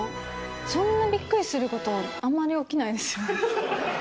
そんなびっくりすること、あんまり起きないですよね。